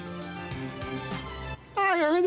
ああっやめて！